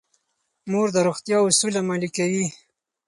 مور د روغتیا اصول عملي کوي.